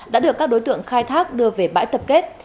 đã được các đối tượng khai thác đưa về bãi tập kết